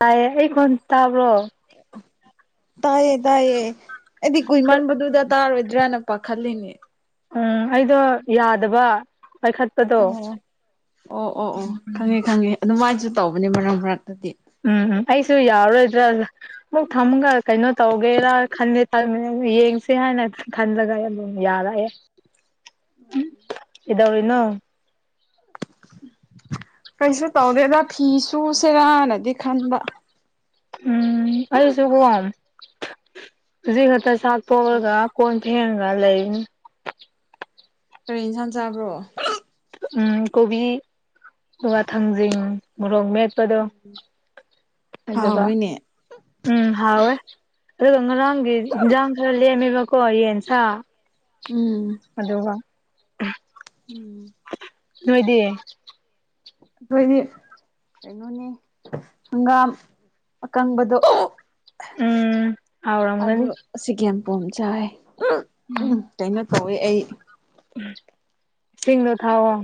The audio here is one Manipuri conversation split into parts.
ꯇꯥꯏꯌꯦ ꯑꯩ ꯀꯣꯟ ꯇꯥꯕ꯭ꯔꯣ ꯇꯥꯏꯌꯦ ꯇꯥꯏꯌꯦ ꯑꯩꯗꯤ ꯀꯨꯏꯃꯟꯕꯗꯨꯗ ꯇꯥꯔꯣꯏꯗ꯭ꯔꯥꯅ ꯄꯥꯈꯠꯂꯤꯅꯦ ꯎꯝ ꯑꯩꯗꯣ ꯌꯥꯗꯕ ꯄꯥꯏꯈꯠꯄ ꯑꯣ ꯑꯣ ꯑꯣ ꯑꯣ ꯈꯪꯉꯦ ꯈꯪꯉꯦ ꯑꯗꯨꯃꯥꯏꯅꯁꯨ ꯇꯧꯕꯅꯦ ꯃꯔꯛ ꯃꯔꯛꯇꯗꯤ ꯎꯝꯝ ꯑꯩꯁꯨ ꯌꯥꯔꯣꯏꯗ꯭ꯔꯥ ꯑꯃꯨꯛ ꯊꯝꯒ ꯀꯩꯅꯣ ꯇꯧꯒꯦꯔꯥ ꯈꯟꯗꯦ ꯑꯗꯨ ꯌꯦꯡꯁꯦ ꯍꯥꯏꯅ ꯑꯗꯨꯝ ꯈꯜꯂꯒ ꯑꯗꯨꯝ ꯌꯥꯔꯛꯑꯦ ꯀꯩꯘꯧꯔꯤꯅꯣ ꯀꯩꯁꯨ ꯇꯧꯗꯦꯗ ꯐꯤ ꯆꯨꯁꯦꯔꯥꯅꯗꯤ ꯈꯟꯕ ꯎꯝ ꯑꯩꯁꯨ ꯀꯣ ꯍꯧꯖꯤꯛ ꯈꯛꯇ ꯆꯥꯛ ꯇꯣꯛꯂꯒ ꯀꯣꯟ ꯐꯦꯡꯒ ꯂꯩꯅꯤ ꯀꯔꯤ ꯏꯟꯁꯥꯡ ꯆꯥꯕ꯭ꯔꯣ ꯎ ꯀꯣꯕꯤ ꯋꯥ ꯊꯥꯡꯖꯤꯡ ꯃꯣꯔꯣꯛꯃꯦꯠ ꯗꯣ ꯑꯗꯨꯕ ꯍꯥꯎꯋꯤꯅꯦ ꯎꯝ ꯍꯥꯎꯋꯦ ꯑꯗꯨꯒ ꯉꯔꯥꯡꯒꯤ ꯌꯦꯟꯖꯥꯡ ꯈꯔ ꯂꯦꯝꯃꯦꯕꯀꯣ ꯌꯦꯟꯁ ꯎꯝ ꯑꯗꯨꯒ ꯎꯝ ꯅꯣꯏꯗꯤ [unintelligible] ꯀꯩꯅꯣꯅꯦ ꯍꯪꯒꯥꯝ ꯑꯀꯪꯕꯗꯣ ꯎꯝ ꯑꯗꯨ ꯍꯥꯎꯔꯝꯒꯅꯤ ꯁꯤ ꯆꯈꯦꯝꯄꯣꯝ ꯆꯥꯏ ꯎꯝ ꯀꯩꯅꯣ ꯇꯧꯋꯦ ꯑꯩ ꯏꯁꯤꯡꯗꯣ ꯊꯥꯎꯑꯣ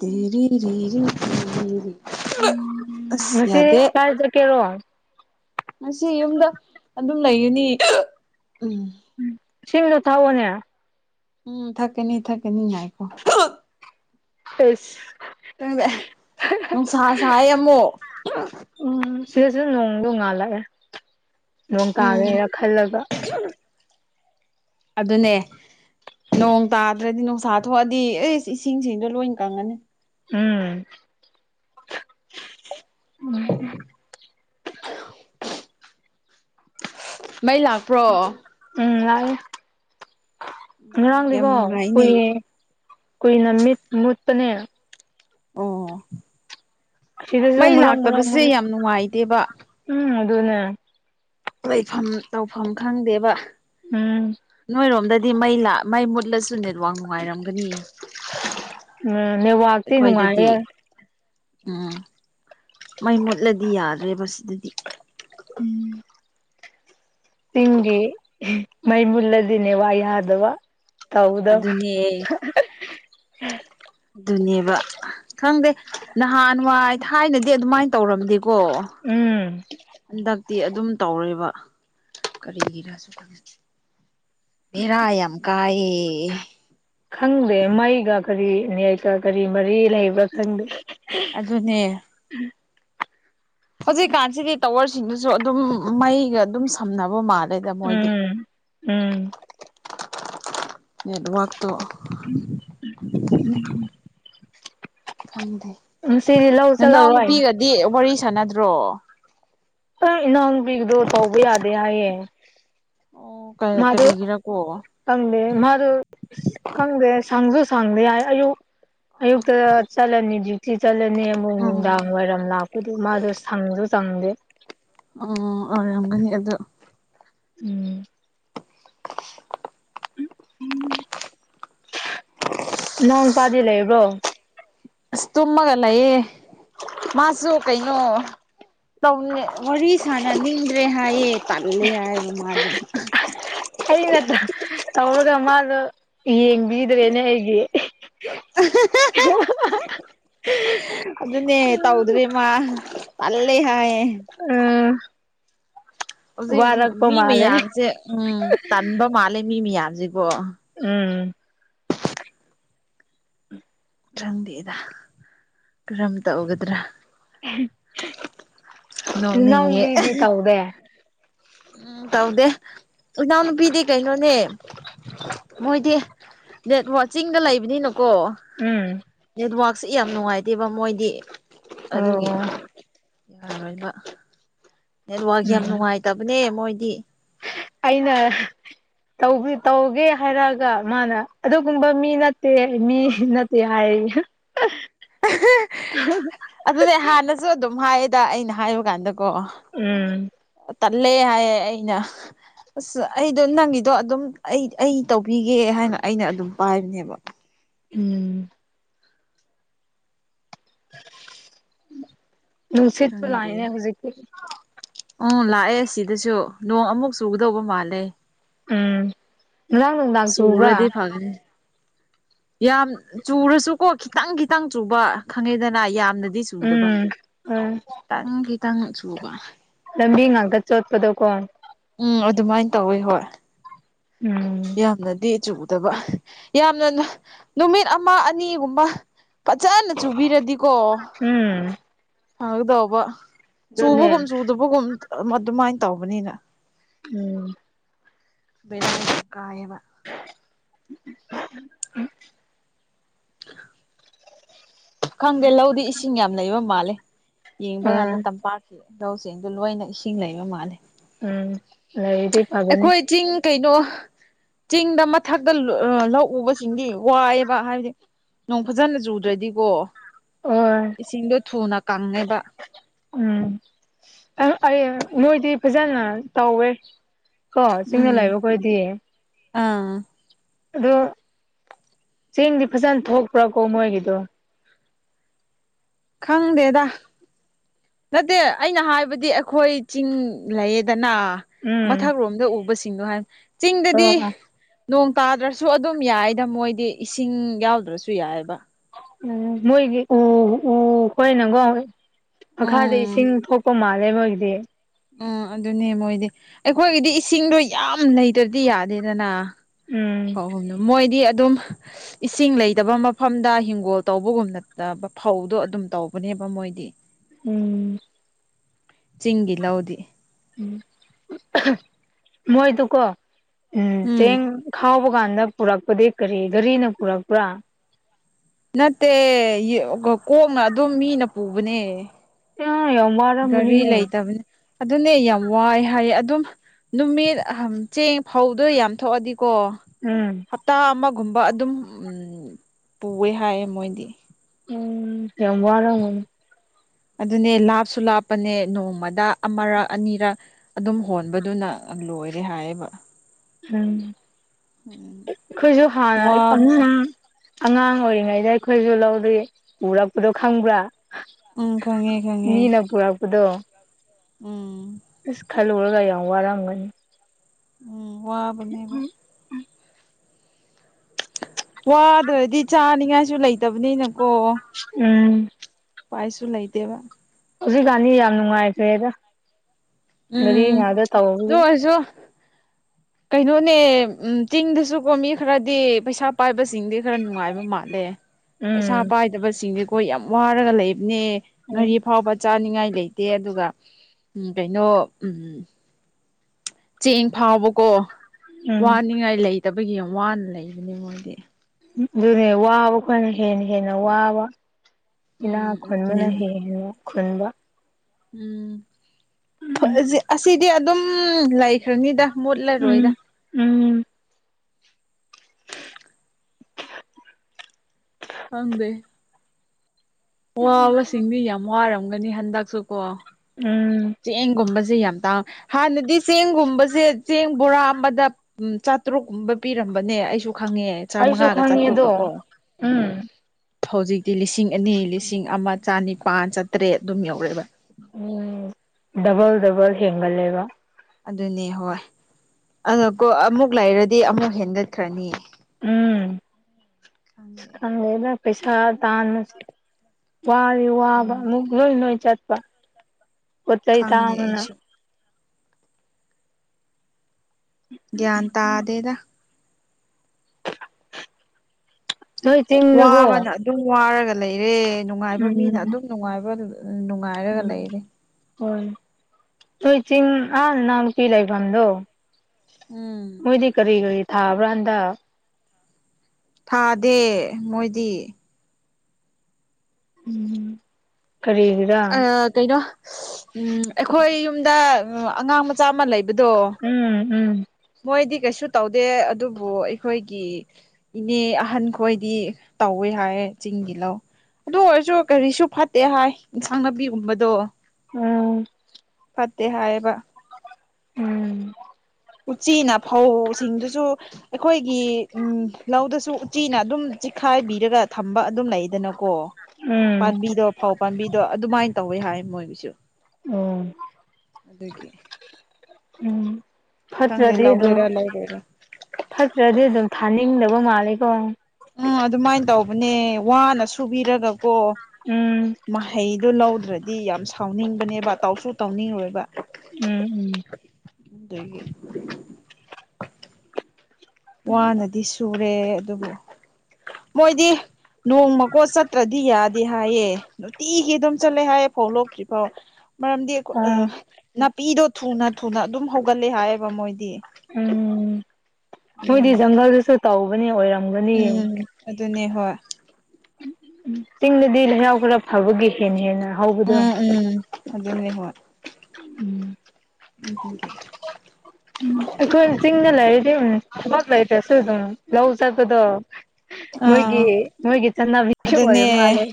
ꯔꯤ ꯎꯝ ꯉꯁꯤ ꯀꯥꯏ ꯆꯠꯀꯦꯔꯣ ꯉꯁꯤ ꯌꯨꯝꯗ ꯑꯗꯨꯝ ꯂꯩꯒꯅꯤ ꯎꯝ ꯎ ꯁꯤꯃꯤꯅꯣ ꯊꯥꯑꯣꯅꯦ ꯎꯝ ꯊꯛꯀꯅꯤ ꯊꯛꯀꯦꯅꯤ ꯉꯥꯏꯀꯣ ꯐꯁ ꯪꯗ ꯅꯨꯡꯁꯥ ꯁꯥꯏ ꯑꯃꯨꯛ ꯎꯝ ꯁꯤꯗꯁꯤꯗ ꯅꯣꯡꯗꯣꯡ ꯉꯥꯜꯂꯛꯑꯦ ꯅꯣꯡ ꯎꯝ ꯇꯥꯒꯦꯔꯥ ꯈꯜꯂꯒ ꯑꯗꯨ ꯑꯗꯨꯅꯦ ꯅꯣꯡ ꯇꯥꯗ꯭ꯔꯗꯤ ꯅꯨꯡꯁꯥ ꯊꯣꯛꯑꯗꯤ ꯑꯦꯁ ꯏꯁꯤꯡꯗꯣ ꯂꯣꯏꯅ ꯀꯪꯉꯅꯤ ꯎꯝ ꯃꯩ ꯂꯥꯛꯄ꯭ꯔꯣ ꯎꯝ ꯂꯥꯛꯑꯦ ꯌꯥꯝ ꯉꯔꯥꯡꯂꯤꯀꯣ ꯅꯨꯡꯉꯥꯏꯅꯦ ꯀꯨꯏꯌꯦꯦ ꯀꯨꯏꯅ ꯃꯤꯠ ꯃꯨꯠꯄꯅꯦ ꯑꯣ ꯁꯤꯗꯁꯨ ꯃꯩ ꯃꯔꯛ ꯃꯔꯛ ꯂꯥꯛꯇꯕꯁꯦ ꯃꯨꯠꯂꯦ ꯌꯥꯝ ꯅꯨꯡꯉꯥꯏꯇꯦꯕ ꯎꯝ ꯑꯗꯨꯅꯦ ꯂꯩꯐꯝ ꯇꯧꯐꯝ ꯈꯪꯗꯦꯕ ꯎꯝ ꯅꯣꯏꯔꯣꯝꯗ ꯍꯥꯏ ꯃꯩ ꯃꯩ ꯃꯨꯠꯂꯁꯨ ꯅꯦꯠꯋꯥꯛ ꯅꯨꯡꯉꯥꯏꯔꯝꯒꯅꯤꯌꯦ ꯎꯝ ꯅꯦꯋꯥꯛꯇꯤ ꯅꯨꯡꯉꯥꯏꯌꯦꯦ ꯎꯝ ꯃꯩ ꯃꯨꯠꯂꯗꯤ ꯌꯥꯗ꯭ꯔꯦꯕ ꯁꯤꯗꯗꯤ ꯎꯝ ꯇꯒꯤꯤ ꯃꯩꯃꯨꯜꯂꯗꯅꯦꯦ ꯋꯥꯏ ꯑꯗꯕ ꯑꯗꯨꯅꯦ ꯑꯗꯨꯅꯦꯕ ꯈꯪꯗꯦ ꯅꯍꯥꯟꯋꯥꯏ ꯊꯥꯏꯅꯗꯤ ꯑꯗꯨꯃꯥꯏꯅ ꯇꯧꯔꯝꯗꯦꯀꯣ ꯎꯝ ꯍꯟꯗꯛ ꯇꯤ ꯑꯗꯨꯝ ꯇꯧꯔꯣꯏꯕ ꯀꯔꯤꯒꯤꯔꯁꯨ ꯈꯪ ꯔꯑ ꯌꯥꯝ ꯀꯑ ꯈꯪꯗꯦ ꯃꯩꯒ ꯀꯔꯤ ꯅꯌꯦꯛꯀ ꯀꯔꯤ ꯃꯔꯤ ꯂꯩꯕ꯭ꯔꯥ ꯈꯪꯗꯦ ꯑꯗꯨꯅꯦ ꯍꯧꯖꯤꯛꯀꯥꯟꯁꯤꯗꯤ ꯇꯥꯋꯔꯁꯤꯡꯗꯨꯁꯨ ꯑꯗꯨꯝ ꯃꯩꯒ ꯑꯗꯨꯝ ꯁꯝꯅꯕ ꯃꯥꯜꯂꯦ ꯂꯩꯗ ꯃꯣꯏꯗꯤ ꯎꯝ ꯎꯝ ꯅꯦꯠꯋꯥꯛꯛꯇꯣ ꯎꯝ ꯎꯝꯝ ꯈꯪꯗꯦ ꯉꯁꯤꯗꯤ ꯂꯧ ꯆꯜꯂꯔꯣꯏ ꯗꯤ ꯋꯥꯔꯤ ꯁꯥꯟꯅꯗ꯭ꯔꯣ ꯑꯩ ꯏꯅꯥꯎꯅꯨꯄꯤꯒꯤꯗꯣ ꯇꯧꯕ ꯌꯥꯗꯦ ꯍꯥꯏꯌꯦ ꯑꯣ ꯀꯩ ꯃꯥꯗꯣ ꯀꯔꯤꯒꯤꯔꯀꯣ ꯈꯪꯗꯦ ꯃꯥꯗꯨ ꯈꯪꯗꯦ ꯁꯪꯁꯨ ꯁꯪꯗꯦ ꯌꯥꯏ ꯑꯌꯨꯛ ꯑꯌꯨꯛꯇ ꯆꯠꯂꯅꯤ ꯗ꯭ꯌꯨꯇꯤ ꯆꯠꯂꯅꯤ ꯑꯃꯨꯛ ꯎꯝ ꯅꯨꯡꯗꯥꯡ ꯋꯥꯏꯔꯝ ꯂꯥꯛ ꯑꯗꯨꯗꯤ ꯃꯥꯖꯨ ꯁꯪꯖꯨ ꯆꯪꯗꯦ ꯑꯣ ꯑꯣꯏꯔꯝꯒꯅꯤ ꯑꯗꯨ ꯎꯝ ꯏꯅꯥꯎꯅꯨꯄꯥꯗꯤ ꯂꯩꯕ꯭ꯔꯣ ꯇꯨꯝꯃꯒꯂꯌꯦ ꯃꯥꯁꯨꯣ ꯀꯩꯣ ꯋꯥꯔꯤ ꯁꯅ ꯅꯤꯡꯗ꯭ꯔꯦ ꯍꯥꯏꯌꯦ ꯇꯥꯜꯂꯦ ꯍꯥꯏ ꯃꯥꯗꯣ ꯑꯩꯅ ꯇꯧꯔꯒ ꯃꯥꯗꯣ ꯌꯦꯡꯕꯤꯗ꯭ꯔꯦꯅꯦ ꯑꯩꯒꯤ [inaudible] ꯑꯗꯨꯅꯦ ꯇꯧꯗ꯭ꯔꯔꯤꯃ ꯑꯂꯦ ꯍꯥꯏꯦ ꯎꯝ ꯍꯧꯖꯤꯛ ꯋꯥꯔꯛꯄ ꯃꯤ ꯃꯥꯜꯂꯦ ꯃꯌꯥꯝꯁꯦ ꯎꯝ ꯇꯟꯕ ꯃꯥꯜꯂꯦ ꯃꯤ ꯃꯌꯥꯝꯁꯤꯀꯣ ꯎꯝ ꯎꯝ ꯈꯪꯗꯦꯦꯗ ꯀꯔꯝꯇꯧꯒꯗ꯭ꯔꯥ ꯅꯣꯛꯅꯤꯡꯉꯦ ꯅꯝꯕꯤꯗꯤ ꯇꯧꯗꯦ ꯎꯝ ꯇꯧꯗꯦ ꯏꯅꯥꯎꯅꯨꯄꯤꯗꯤ ꯀꯩꯅꯣꯅꯦ ꯃꯣꯏꯗꯤ ꯅꯦꯠ ꯋꯥꯆꯤꯡꯗ ꯂꯩꯕꯅꯤꯅꯀꯣ ꯎꯝ ꯅꯦꯠꯋꯔꯛꯁꯦ ꯌꯥꯝ ꯅꯨꯡꯉꯥꯏꯇꯦꯕ ꯃꯣꯏꯗꯤ ꯑꯗꯨꯒꯤ ꯑꯣ ꯌꯥꯔꯣꯏꯕ ꯅꯦꯠꯋꯥꯛ ꯎꯝ ꯌꯥꯝ ꯅꯨꯡꯉꯥꯏꯇꯕꯅꯦ ꯃꯣꯏꯗꯤ ꯑꯩꯅ ꯇꯧꯕꯤ ꯇꯧꯒꯦ ꯍꯥꯏꯔꯛꯑꯒ ꯃꯥꯅ ꯑꯗꯨꯒꯨꯝꯕ ꯃꯤ ꯅꯠꯇꯦ ꯃꯤ ꯅꯠꯇꯦ ꯍꯥꯏꯌꯦ ꯑ ꯑꯗꯨꯅꯦ ꯍꯥꯟꯅꯁꯨ ꯑꯗꯨꯝ ꯍꯥꯏꯌꯦꯗ ꯑꯩꯅ ꯍꯥꯏꯕ ꯀꯥꯟꯗꯀꯣ ꯎꯝ ꯇꯜꯂꯦ ꯍꯥꯏꯌꯦ ꯑꯩꯅ ꯑꯁ ꯑꯩꯗꯣ ꯅꯪꯒꯤꯗꯣ ꯑꯗꯨꯝ ꯑꯩ ꯑꯩ ꯇꯧꯕꯤꯒꯦ ꯍꯥꯏꯅ ꯑꯩꯅ ꯑꯗꯨꯝ ꯄꯥꯏꯕꯅꯦꯕ ꯎꯝ ꯅꯨꯡꯁꯤꯠꯄꯨ ꯂꯥꯛꯏꯅꯦ ꯈꯪꯗꯦ ꯍꯧꯖꯤꯛꯇꯤ ꯎꯝ ꯂꯥꯛꯑꯦ ꯁꯤꯗꯁꯨ ꯅꯣꯡ ꯑꯃꯨꯛ ꯆꯨꯒꯗꯧꯕ ꯃꯥꯜꯂꯦ ꯎꯝ ꯉꯔꯥꯡ ꯅꯨꯡꯗꯥꯡ ꯆꯨꯕꯔꯥ ꯍꯧ [unintelligible] ꯌꯥꯝ ꯆꯨꯔꯁꯨꯀꯣ ꯈꯤꯇꯪ ꯈꯤꯇꯪ ꯆꯨꯕ ꯈꯪꯉꯦꯗꯅ ꯌꯥꯝꯅꯗꯤ ꯆꯨꯗꯕ ꯎꯝ ꯎꯝ ꯇꯪ ꯈꯤꯇꯪꯅ ꯆꯨꯕ ꯂꯝꯕꯤ ꯉꯥꯡꯇ ꯆꯠꯄꯗ ꯀꯣ ꯎꯝ ꯑꯗꯨꯃꯥꯏꯅ ꯇꯧꯋꯤ ꯍꯣꯏ ꯎꯝ ꯌꯥꯝꯅꯗꯤ ꯆꯨꯗꯕ ꯌꯥꯝꯅ ꯅ ꯅꯨꯃꯤꯠ ꯑꯃ ꯑꯅꯤꯒꯨꯝꯕ ꯐꯖꯅ ꯆꯨꯕꯤꯔꯗꯤꯀꯣ ꯎꯝ ꯐꯒꯗꯧꯕ ꯑꯗꯨꯅꯦ ꯆꯨꯕꯒꯨꯝ ꯆꯨꯗꯕꯒꯨꯝ ꯑꯗꯨꯃꯥꯏꯅ ꯇꯧꯕꯅꯤꯅ ꯎꯝ ꯕꯦ [unintelligible] ꯀꯥꯏꯌꯦꯕ ꯎꯝ ꯈꯪꯗꯦ ꯂꯧꯗꯤ ꯏꯁꯤꯡ ꯌꯥꯝ ꯂꯩꯕ ꯃꯥꯜꯂꯦ ꯌꯦꯡꯕ ꯀꯥꯟꯗ ꯎꯝ ꯇꯝꯄꯥꯛ ꯂꯧꯁꯤꯡꯗꯨ ꯂꯣꯏꯅ ꯏꯁꯤꯡ ꯂꯩꯕ ꯃꯥꯜꯂꯤ ꯎꯝ ꯂꯩꯔꯗꯤ ꯐꯒꯅꯤ ꯑꯩꯈꯣꯏ ꯆꯤꯡ ꯀꯩꯅꯣ ꯆꯤꯡꯗ ꯃꯊꯛꯇ ꯂ ꯂꯧ ꯎꯕꯁꯤꯡꯗꯤ ꯋꯥꯏꯑꯦꯕ ꯍꯥꯏꯕꯗꯤ ꯅꯣꯡ ꯐꯖꯅ ꯆꯨꯗ꯭ꯔꯗꯤꯀꯣ ꯑꯣꯏ ꯏꯁꯤꯡꯗꯣ ꯊꯨꯅ ꯀꯪꯉꯦꯕ ꯎꯝ ꯑꯩ ꯃꯣꯏꯗꯤ ꯐꯖꯅ ꯇꯧꯋꯦ ꯀꯣ ꯆꯤꯡꯅ ꯎꯝ ꯂꯥꯛꯕꯈꯣꯏꯗꯤꯌꯦ ꯑꯥ ꯑꯗꯣ ꯆꯦꯡꯗꯤ ꯐꯖꯅ ꯊꯣꯛꯄ꯭ꯔꯥꯀꯣ ꯃꯣꯏꯒꯤꯗꯣ ꯈꯪꯗꯦꯗ ꯅꯠꯇꯦ ꯑꯩꯅ ꯍꯥꯏꯕꯗꯤ ꯑꯩꯈꯣꯏ ꯆꯤꯡ ꯂꯩꯌꯦꯗꯅ ꯎꯝ ꯃꯊꯛꯔꯣꯝꯗ ꯎꯕꯁꯤꯡꯗꯣ ꯍꯥꯏ ꯆꯤꯡꯗꯗꯤ ꯑꯣ ꯅꯣꯡ ꯇꯥꯗ꯭ꯔꯁꯨ ꯑꯗꯨꯝ ꯌꯥꯏꯗ ꯃꯣꯏꯗꯤ ꯏꯁꯤꯡ ꯌꯥꯎꯗ꯭ꯔꯁꯨ ꯌꯥꯏꯑꯕ ꯎꯝ ꯃꯣꯏꯒꯤ ꯑꯣ ꯑꯣ ꯀꯣꯏꯅꯪꯒꯣ ꯃꯈꯥꯗ ꯎꯝ ꯏꯁꯤꯡ ꯊꯣꯛꯄ ꯃꯥꯜꯂꯦ ꯃꯣꯏꯒꯤꯗꯤ ꯎꯝ ꯑꯗꯨꯅꯦ ꯃꯣꯏꯗꯤ ꯑꯩꯈꯣꯏꯒꯤꯗꯤ ꯏꯁꯤꯡꯗꯣ ꯌꯥꯝ ꯂꯩꯇ꯭ꯔꯗꯤ ꯌꯥꯗꯦꯗꯅ ꯎꯝ ꯍꯣꯏ ꯍꯅ ꯃꯣꯏꯗꯤ ꯑꯗꯨꯝ ꯏꯁꯤꯡ ꯂꯩꯇꯕ ꯃꯐꯝꯗ ꯍꯤꯡꯒꯣꯜ ꯇꯧꯕꯒꯨꯝꯅꯠꯇꯕ ꯐꯧꯗꯣ ꯑꯗꯨꯝ ꯇꯧꯕꯅꯦꯕ ꯃꯣꯏꯗꯤ ꯎꯝ ꯆꯤꯡꯒꯤ ꯂꯧꯗꯤ ꯃꯣꯏ ꯇꯨ ꯀ ꯎꯝ ꯆꯦꯡ ꯈꯥꯎꯕ ꯀꯥꯟꯗ ꯄꯨꯔꯛꯄꯗꯤ ꯀꯔꯤ ꯒꯥꯔꯤꯅ ꯄꯨꯔꯛꯄ꯭ꯔꯥ ꯅꯠꯇꯦ ꯀꯣꯛꯅ ꯑꯗꯨꯝ ꯃꯤꯅ ꯄꯨꯕꯅꯦ ꯑ ꯌꯧ ꯃꯥ ꯒꯥꯔꯤ ꯂꯩꯇꯕꯅꯦ ꯑꯗꯨꯅꯦ ꯌꯥꯝ ꯋꯥꯏ ꯍꯥꯏꯌꯦ ꯑꯗꯨꯝ ꯅꯨꯃꯤꯠ ꯆꯦꯡ ꯐꯥꯎꯗꯣ ꯌꯥꯝ ꯊꯣꯛꯑꯗꯤꯀꯣ ꯎꯝ ꯍꯞꯇꯥ ꯑꯃꯒꯨꯝꯕ ꯑꯗꯨꯝ ꯄꯨꯑꯦ ꯍꯥꯏꯌꯦ ꯃꯣꯏꯗꯤ ꯎꯝ ꯇ ꯋꯥꯔ ꯑꯗꯨꯅꯦ ꯂꯥꯞꯁꯨ ꯂꯥꯞꯄꯅꯦ ꯅꯣꯡꯃꯗ ꯑꯃꯔꯛ ꯑꯅꯤꯔꯛ ꯑꯗꯨꯝ ꯍꯣꯟꯕꯗꯨꯅ ꯂꯣꯏꯔꯦ ꯍꯥꯏꯌꯦꯕ ꯎꯝ ꯎꯝ ꯈꯣꯏꯁꯨ ꯍꯥꯥ ꯋꯥꯕꯁꯦ ꯑꯉꯥꯡ ꯑꯣꯏꯔꯤꯉꯩꯗ ꯑꯩꯈꯣꯏꯁꯨ ꯂꯧꯗ ꯎꯔꯛꯄꯗꯣ ꯈꯪꯕ꯭ꯔꯥ ꯎꯝ ꯈꯪꯉꯦ ꯈꯪꯉꯦ ꯃꯤꯅ ꯄꯨꯔꯛꯄꯗꯣ ꯎꯝ ꯑꯁꯀꯜ ꯔꯒꯥꯏ ꯋꯥꯔꯪꯅꯤ ꯎꯝ ꯋꯥꯕꯅꯦꯕ ꯋꯥꯗ꯭ꯔꯗꯤ ꯆꯥꯅꯤꯉꯥꯏꯁꯨ ꯂꯩꯇꯕꯅꯤꯅꯀꯣ ꯎꯝ ꯄꯥꯏꯁꯨ ꯂꯩꯇꯦꯕ ꯍꯧꯖꯤꯛꯀꯥꯟꯅꯤ ꯌꯥꯝ ꯅꯨꯡꯉꯥꯏꯇ꯭ꯔꯦꯗ ꯉꯔꯤ ꯉꯥꯗ ꯇꯧꯁꯦ ꯁꯨꯣ ꯀꯩꯅꯣꯅꯦ ꯎ ꯆꯤꯡꯗꯁꯨꯀꯣ ꯃꯤ ꯈꯔꯗꯤ ꯄꯩꯁꯥ ꯄꯥꯏꯕꯁꯤꯡꯗꯤ ꯈꯔ ꯅꯨꯡꯉꯥꯏꯕ ꯃꯥꯜꯂꯦ ꯄꯩꯁꯥ ꯎꯝ ꯄꯥꯏꯗꯕꯁꯤꯡꯁꯦꯈꯣꯏ ꯌꯥꯝ ꯋꯥꯔꯒ ꯂꯩꯕꯅꯦ ꯉꯔꯤ ꯑꯐꯥꯎꯕ ꯆꯥꯅꯤꯡꯉꯥꯏ ꯂꯩꯇꯦ ꯑꯗꯨꯒ ꯀꯩꯅꯣ ꯆꯦꯡ ꯐꯥꯎꯕꯀꯣ ꯎꯝ ꯋꯥꯅꯤꯡꯉꯥꯏ ꯂꯩꯇꯕꯒꯤ ꯌꯥꯝ ꯋꯥꯅ ꯂꯩꯕꯅꯦ ꯃꯣꯏꯗꯤ ꯑꯗꯨꯅꯦ ꯋꯥꯕ ꯈꯣꯏꯅ ꯍꯦꯟꯅ ꯍꯦꯟꯅ ꯋꯥꯕ ꯏꯅꯥ ꯎꯝ ꯑꯗꯨꯅꯦ ꯈꯨꯟꯕꯅ ꯍꯦꯟꯅ ꯈꯨꯟꯕ ꯎꯝ ꯑꯁꯤꯗꯤ ꯑꯗꯨꯝ ꯂꯩꯈ꯭ꯔꯅꯤꯗ ꯎꯝ ꯃꯨꯠꯂꯔꯣꯏꯗ ꯎꯝ ꯍꯪꯗꯦ ꯋꯥꯕꯁꯤꯡꯗꯤ ꯌꯥꯝ ꯋꯥꯔꯝꯒꯅꯤ ꯍꯟꯗꯛꯁꯨ ꯀꯣ ꯎꯝ ꯆꯦꯡꯒꯨꯝꯕꯁꯦ ꯌꯥꯝ ꯇꯥꯡꯦ ꯍꯥꯟꯅꯗꯤ ꯆꯦꯡꯒꯨꯝꯕꯁꯦ ꯆꯦꯡ ꯕꯣꯔꯥ ꯑꯃꯗ ꯎꯝ ꯆꯥꯇꯔꯨꯛꯀꯨꯝꯕ ꯄꯤꯔꯝꯕꯅꯦ ꯑꯩꯁꯨ ꯈꯪꯉꯦ ꯑꯩꯁꯨ ꯆꯥꯃꯉꯥꯒ ꯈꯪꯉꯦ ꯆꯥꯇ꯭ꯔꯨꯛꯀ ꯑꯗꯣ ꯀꯣ ꯎꯝ ꯍꯧꯖꯤꯛꯇꯤ ꯂꯤꯁꯤꯡ ꯑꯅꯤ ꯂꯤꯁꯤꯡ ꯑꯃ ꯆꯅꯤꯄꯥꯜ ꯆꯥꯇ꯭ꯔꯦꯠ ꯑꯗꯨꯝ ꯌꯧꯔꯛꯑꯦꯕ ꯎꯝ ꯗꯕꯜ ꯗꯕꯜ ꯍꯦꯟꯒꯠꯂꯦꯕ ꯑꯗꯨꯅꯦ ꯍꯣꯏ ꯑꯗꯀꯣ ꯑꯃꯨꯛ ꯂꯩꯔꯗꯤ ꯑꯃꯨꯛ ꯍꯦꯟꯒꯠꯈ꯭ꯔꯅꯤ ꯈꯪꯗꯦ ꯎꯝꯦꯗ ꯄꯩꯁꯥ ꯇꯥꯅ ꯋꯥꯔꯤ ꯋꯥꯕ ꯎꯝ ꯑꯃꯨꯛ ꯂꯣꯏ ꯂꯣꯏ ꯆꯠꯄ ꯄꯣꯠ ꯆꯩꯩ ꯈꯪꯗꯦ ꯊꯥꯡꯕꯅ ꯑꯩꯁꯨ ꯒ꯭ꯌꯥꯟ ꯇꯥꯗꯦꯗ ꯅꯣꯏ ꯆꯤꯡꯗꯀꯣ ꯋꯥꯕꯅ ꯑꯗꯨꯝ ꯋꯥꯔꯒ ꯂꯩꯔꯦ ꯅꯨꯡꯉꯥꯏꯕ ꯃꯤꯅ ꯎꯝ ꯑꯗꯨꯝ ꯅꯨꯡꯉꯥꯏꯕ ꯅꯨꯡꯉꯥꯏꯔꯒ ꯂꯩꯔꯦ ꯍꯣꯏ ꯅꯣꯏ ꯆꯤꯡ ꯑꯥ ꯅꯎꯄꯤ ꯂꯩꯐꯝꯗꯣ ꯎꯝ ꯃꯣꯏꯗꯤ ꯀꯔꯤ ꯀꯔꯤ ꯊꯥꯕ꯭ꯔꯥꯥꯟꯗ ꯊꯥꯗꯦ ꯃꯣꯏꯗꯤ ꯎꯝ ꯈꯔꯔꯤ ꯀꯩꯅꯣ ꯑꯩꯈꯣꯏ ꯌꯨꯝꯗ ꯑꯉꯥꯡ ꯃꯆꯥ ꯑꯃ ꯂꯩꯕꯗꯣ ꯎꯝ ꯎꯝ ꯃꯣꯏꯗꯤ ꯀꯩꯁꯨ ꯇꯧꯗꯦ ꯑꯗꯨꯕꯨ ꯑꯩꯈꯣꯏꯒꯤ ꯏꯅꯦ ꯑꯍꯟꯈꯣꯏꯗꯤ ꯇꯧꯋꯦ ꯍꯥꯏꯌꯦꯦ ꯆꯤꯡꯒꯤ ꯂꯧ ꯑꯗꯨ ꯑꯣꯏꯔꯁꯨ ꯀꯔꯤꯁꯨ ꯐꯠꯇꯦ ꯍꯥꯏ ꯏꯟꯁꯥꯡ ꯅꯥꯄꯤꯒꯨꯝꯕꯗꯣ ꯎꯝ ꯐꯠꯇꯦ ꯍꯥꯏꯌꯦꯕ ꯎꯝ ꯎꯆꯤꯅ ꯐꯧꯁꯤꯡꯗꯨꯁꯨ ꯑꯩꯈꯣꯏꯒꯤ ꯎ ꯂꯧꯗꯁꯨ ꯆꯤꯅ ꯑꯗꯨꯝ ꯆꯤꯈꯥꯏꯕꯤꯔꯒ ꯊꯝꯕ ꯑꯗꯨꯝ ꯂꯩꯗꯅꯀꯣ ꯎꯝ ꯄꯥꯝꯕꯤꯗꯣ ꯄꯥꯎ ꯄꯥꯝꯕꯤꯗꯣ ꯑꯗꯨꯃꯥꯏꯅ ꯇꯧꯋꯤ ꯍꯥꯏ ꯃꯣꯏꯒꯤꯁꯨ ꯎꯝ ꯑꯗꯨꯒꯤ ꯎꯝ ꯈꯪꯗꯦ ꯐꯠꯇ꯭ꯔꯗꯤ ꯑꯗꯨꯝ ꯂꯧꯒꯦꯔꯥ ꯂꯧꯔꯣꯏꯔꯥ ꯐꯠꯇ꯭ꯔꯗꯤ ꯑꯗꯨꯝ ꯊꯥꯅꯤꯡꯗꯕ ꯃꯥꯂꯦꯀꯣ ꯎꯝ ꯑꯗꯨꯃꯥꯏꯅ ꯇꯧꯕꯅꯦ ꯋꯥꯅ ꯁꯨꯕꯤꯔꯒꯀꯣ ꯎꯝ ꯃꯍꯩꯗꯨꯣ ꯂꯧꯗ꯭ꯔꯗꯤ ꯌꯥꯝ ꯁꯥꯎꯅꯤꯡꯕꯅꯦꯕ ꯇꯧꯁꯨ ꯇꯧꯅꯤꯡꯉꯣꯏꯕ ꯎꯝ ꯎꯝ ꯊꯦ ꯋꯥꯅꯗꯤ ꯁꯨꯔꯦ ꯑꯗꯨꯕꯨ ꯃꯣꯏꯗꯤ ꯅꯣꯡꯃꯀꯣꯠ ꯆꯠꯇ꯭ꯔꯗꯤ ꯌꯥꯗꯦ ꯍꯥꯏꯌꯦ ꯅꯨꯡꯇꯤꯒꯤ ꯑꯗꯨꯝ ꯆꯠꯂꯦ ꯍꯥꯏꯌꯦꯦ ꯐꯧ ꯂꯣꯛꯇ꯭ꯔꯤꯐꯥꯎ ꯃꯔꯝꯗꯤ ꯑꯣ ꯅꯥꯄꯤꯗꯣ ꯊꯨꯅ ꯊꯨꯅ ꯑꯗꯨꯝ ꯍꯧꯒꯠꯂꯦ ꯍꯥꯏꯌꯦꯕ ꯃꯣꯏꯗꯤ ꯎꯝ ꯃꯣꯏꯗꯤ ꯑꯗꯨꯒꯤ ꯖꯪꯒꯜꯗꯨꯁꯨ ꯇꯧꯕꯅꯦ ꯑꯣꯏꯔꯝ ꯎꯝ ꯑꯗꯨꯅꯦ ꯍꯣꯏ ꯎ ꯆꯤꯡꯗꯗꯤ ꯂꯩꯍꯥꯎ ꯈꯔ ꯐꯕꯒꯤ ꯍꯦꯟꯅ ꯍꯦꯅ ꯎꯝ ꯎꯝ ꯑꯗꯨꯗꯅꯅꯦ ꯍ ꯎꯝ ꯎꯝ ꯎ [inaudible] ꯎ ꯑꯩꯈꯣꯏ ꯆꯤꯡꯗ ꯂꯩꯔꯗꯤꯝ ꯊꯕꯛ ꯂꯩꯇ꯭ꯔꯁꯨ ꯑꯗꯨꯝ ꯂꯧ ꯆꯠꯄꯗꯣ ꯃꯣꯏꯒꯤ ꯑꯥ ꯃꯣꯏꯒꯤ ꯆꯠꯅꯕꯤꯁꯨ ꯑꯣꯏꯔ ꯃꯥꯜꯂꯦ ꯑꯗꯨꯅꯦ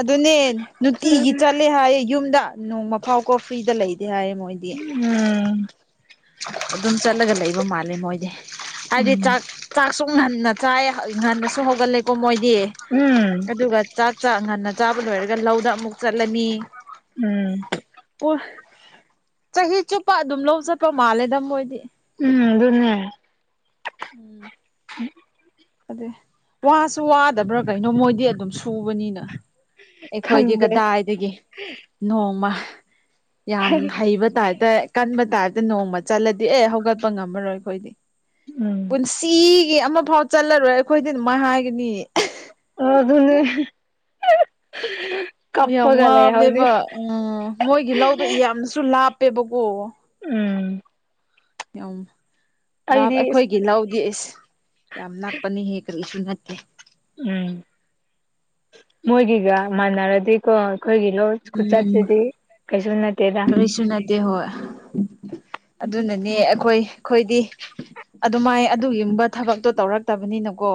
ꯑꯗꯨꯅꯦ ꯅꯨꯡꯇꯤꯒꯤ ꯆꯠꯂꯦ ꯍꯥꯏꯌꯦꯦ ꯌꯨꯝꯗ ꯅꯣꯡꯃ ꯐꯥꯎ ꯀꯣ ꯐ꯭ꯔꯤꯗ ꯂꯩꯇꯦ ꯍꯥꯏꯌꯦ ꯃꯣꯏ ꯎꯝ ꯑꯗꯨꯝ ꯆꯠꯂꯒ ꯂꯩꯕ ꯃꯥꯜꯂꯦ ꯃꯣꯏꯗꯤ ꯍꯥꯏꯗꯤ ꯎꯝ ꯆꯥꯛ ꯆꯛ ꯑ ꯁꯨꯝ ꯉꯟꯅ ꯆꯥꯏ ꯉꯟꯅꯁꯨ ꯍꯧꯒꯠꯂꯦꯀꯣ ꯃꯣꯏꯗꯤ ꯎꯝ ꯑꯗꯨꯒ ꯆꯥꯛ ꯆꯥꯛ ꯉꯟꯅ ꯆꯥꯕ ꯂꯣꯏꯔꯒ ꯂꯧꯗ ꯑꯃꯨꯛ ꯆꯠꯂꯅꯤ ꯎꯝ ꯆꯍꯤ ꯆꯨꯞꯄ ꯑꯗꯨꯝ ꯂꯧ ꯆꯠꯄ ꯃꯥꯜꯂꯦꯗ ꯃꯣꯏꯗꯤ ꯎꯝ ꯑꯗꯨꯅꯦ ꯎꯝ ꯑꯗ ꯋꯥꯁꯨ ꯋꯥꯗꯕ꯭ꯔꯥ ꯀꯩꯅꯣ ꯃꯣꯏꯗꯤ ꯑꯗꯨꯝ ꯁꯨꯕꯅꯤꯅ ꯑꯩꯈꯣꯏꯗꯤ ꯈꯪꯗꯦ ꯀꯗꯥꯏꯗꯒꯤ ꯅꯣꯡꯃ ꯌꯥꯝ ꯍꯩꯕ ꯇꯥꯏꯞꯇ ꯀꯟꯕ ꯇꯥꯏꯞꯇ ꯅꯣꯡꯃ ꯆꯠꯂꯗꯤ ꯑꯦ ꯍꯧꯒꯠꯄ ꯉꯝꯃꯔꯣꯏ ꯑꯩꯈꯣꯏꯗꯤ ꯎꯝ ꯄꯨꯟꯁꯤꯒꯤ ꯑꯃꯐꯥꯎ ꯆꯠꯂꯔꯣꯏ ꯑꯩꯈꯣꯏꯗꯤ ꯑꯗꯨꯃꯥꯏꯅ ꯍꯥꯏꯒꯅꯤ ꯑꯗꯨꯅꯦ ꯑꯣ ꯌꯥꯝ ꯀꯞꯄꯒ ꯂꯩꯍꯧꯅꯤ ꯋꯥꯕꯅꯦꯦꯕ ꯎꯝ ꯃꯣꯏꯒꯤ ꯂꯧꯗꯣ ꯌꯥꯝꯁꯨ ꯂꯥꯞꯄꯦꯕꯀꯣ ꯎꯝ ꯂ ꯑꯩꯗꯤ ꯑꯩꯈꯣꯏꯒꯤ ꯂꯧ ꯒꯦꯁ ꯌꯥꯝ ꯅꯥꯛꯄꯅꯤꯍꯦꯛ ꯀꯔꯤꯁꯨ ꯅꯠꯇꯦ ꯎꯝ ꯃꯒꯒ ꯃꯅꯔꯗꯤ ꯀꯣ ꯑꯩꯈꯣꯏꯒꯤ ꯂꯣ ꯎꯝ ꯈꯨꯆꯠꯁꯤꯗꯤ ꯀꯩꯁꯨ ꯅꯠꯇꯦꯗ ꯗꯦ ꯍꯣꯏ ꯑꯗꯨꯅꯅꯦ ꯑꯩꯈꯣꯏ ꯑꯩꯈꯣꯏꯗꯤ ꯑꯗꯨꯃꯥꯏ ꯑꯗꯨꯒꯤꯨꯝꯕ ꯊꯕꯛꯇꯣ ꯇꯧꯔꯛꯇꯕꯅꯤꯅꯀꯣ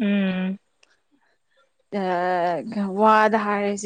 ꯎꯝ ꯑ ꯋꯥꯗ ꯍꯥꯏꯔꯖꯦ